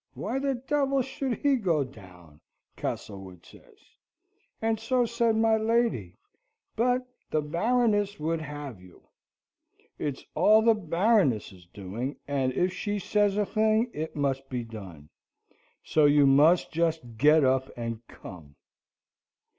Why the devil should he go down? Castlewood says, and so said my lady, but the Baroness would have you. It's all the Baroness's doing, and if she says a thing, it must be done; so you must just get up and come."